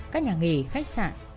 các nhà nghỉ khách sạn